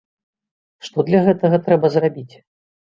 Што для гэтага трэба зрабіць?